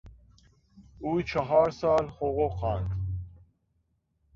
او چهار سال حقوق خواند.